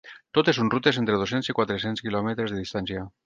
Totes són rutes entre dos-cents i quatre-cents quilòmetres de distància.